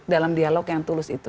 dalam dialog yang tulus itu